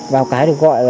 vào cái được gọi là